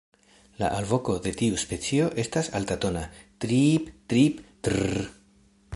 La alvoko de tiu specio estas altatona "triiip-triip-trrrrrr".